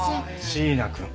椎名くん